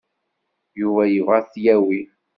Yuba yebɣa ad t-yawi.